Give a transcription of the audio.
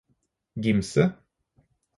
Gimse